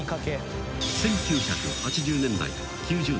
［１９８０年代から９０年初頭］